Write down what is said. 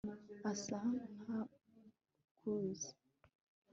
asa nkatuzi